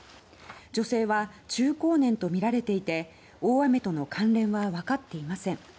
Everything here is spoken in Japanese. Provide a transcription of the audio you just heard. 女性は中高年とみられていて大雨との関連はわかっていません。